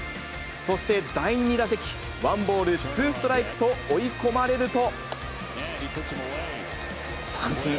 そして第２打席、ワンボールツーストライクと追い込まれると。